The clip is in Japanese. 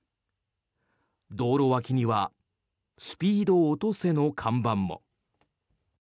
道路脇にはスピード落とせの看板も。